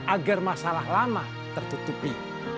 agar masalah lama tertutupi